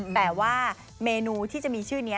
แต่ว่าเมนูที่จะมีชื่อนี้